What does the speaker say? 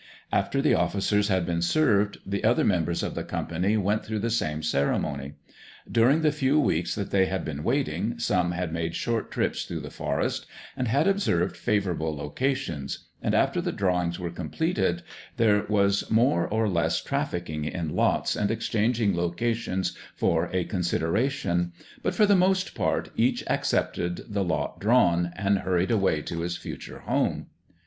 After the officers had been served, the other members of the company went through the same ceremony. During the few weeks that they had been waiting, some had made short trips through the forest, and had observed favourable locations, and after the "drawings" were completed, there was more or less trafficking in lots, and exchanging locations for a consideration; but for the most part each accepted the lot drawn, and hurried away to his future home.